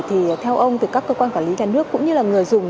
thì theo ông từ các cơ quan quản lý nhà nước cũng như là người dùng